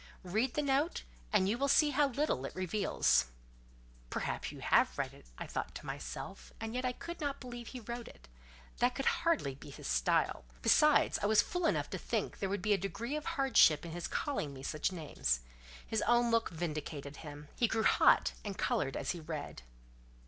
"Read the note, and you will see how little it reveals." "Perhaps you have read it," I thought to myself; and yet I could not believe he wrote it: that could hardly be his style: besides, I was fool enough to think there would be a degree of hardship in his calling me such names. His own look vindicated him; he grew hot, and coloured as he read.